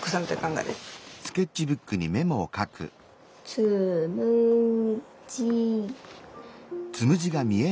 つむじ。